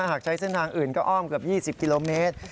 หากใช้เส้นทางอื่นก็อ้อมเกือบ๒๐กิโลเมตร